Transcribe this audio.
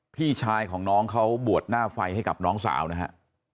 พี่ชายของน้องเขาบวชหน้าไฟให้กับน้องสาวนะฮะ